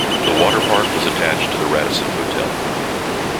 The water park was attached to the Radisson Hotel.